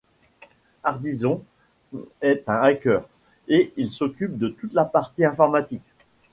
Hardison est un hacker, et il s'occupe de toute la partie informatique.